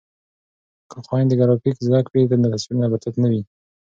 که خویندې ګرافیک زده کړي نو تصویرونه به تت نه وي.